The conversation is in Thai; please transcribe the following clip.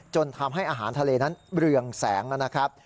จนทำให้อาหารทะเลนั้นเรืองแสงนะครับ